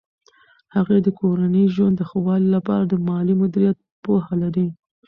هغې د کورني ژوند د ښه والي لپاره د مالي مدیریت پوهه لري.